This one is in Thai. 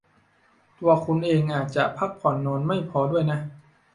ตัวคุณเองอาจจะพักผ่อนนอนไม่พอด้วยนะ